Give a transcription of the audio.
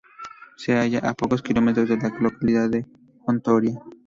Se halla a pocos kilómetros de la localidad de Hontoria.